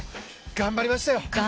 頑張りましたよ。